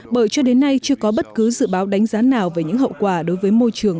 bởi cho đến nay chưa có bất cứ dự báo đánh giá nào về những hậu quả đối với môi trường